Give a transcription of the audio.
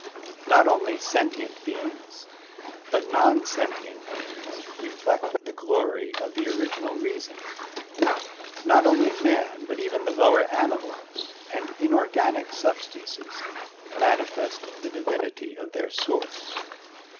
Not only sentient beings, but non sentient beings, reflect the glory of the Original Reason. Not only man but even the lower animals and inorganic sub stances manifest the divinity of their source.